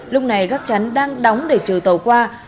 lúc này gác chắn đang đóng để chờ tàu qua